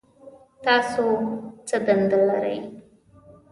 تاسو څه دنده لرئ؟